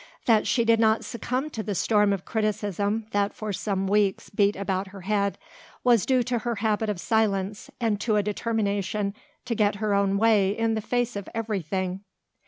That she did not succumb to the storm of criticism that for some weeks beat about her head was due to her habit of silence and to a determination to get her own way in the face of everything.